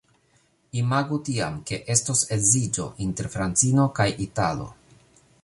Imagu tiam, ke estos edziĝo inter francino kaj italo.